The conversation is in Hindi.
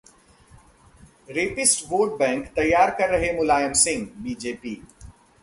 रेपिस्ट वोट बैंक तैयार कर रहे मुलायम सिंह: बीजेपी